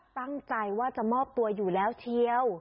ตั้งใจว่าจะมอบตัวอยู่แล้วเชียว